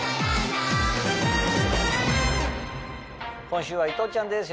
今週は伊藤ちゃんです